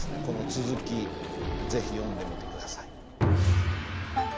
この続き是非読んでみて下さい。